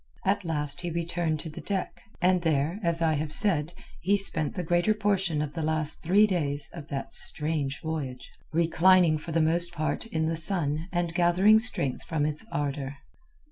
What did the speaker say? At last he returned to the deck, and there, as I have said, he spent the greater portion of the last three days of that strange voyage, reclining for the most part in the sun and gathering strength from its ardour.